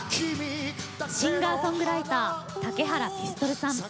シンガーソングライター竹原ピストルさん。